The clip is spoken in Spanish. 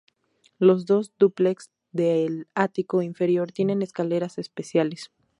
Los dos dúplex del ático inferior tienen escaleras especiales.